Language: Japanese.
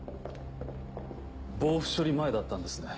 防腐処理前だったんですね。